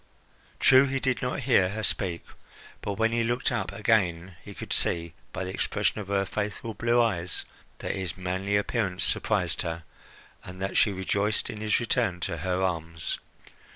True, he did not hear her speak; but when he looked up again he could see, by the expression of her faithful blue eyes, that his manly appearance surprised her, and that she rejoiced in his return to her arms.